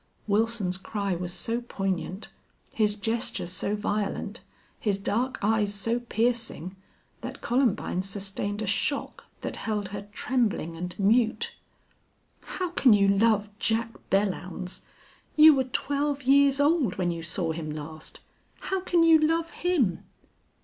Wilson's cry was so poignant, his gesture so violent, his dark eyes so piercing that Columbine sustained a shock that held her trembling and mute. "How can you love Jack Belllounds? You were twelve years old when you saw him last. How can you love him?"